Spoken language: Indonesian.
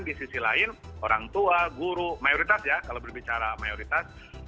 di sisi lain orang tua guru mayoritas ya kalau berbicara mayoritas